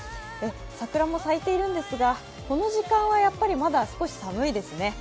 桜も咲いているんですが、この時間はまだ少し寒いですね。